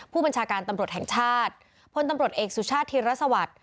ผู้บัญชาการตำรวจแห่งชาติพลตำรวจเอกสุชาติธิรสวัสดิ์